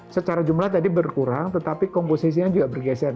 secara jumlah tadi berkurang tetapi komposisinya juga bergeser